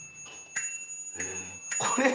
これ。